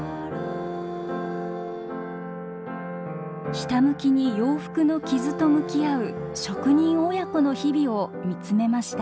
ひたむきに洋服の傷と向き合う職人親子の日々を見つめました。